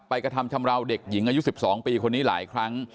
กระทำชำราวเด็กหญิงอายุ๑๒ปีคนนี้หลายครั้ง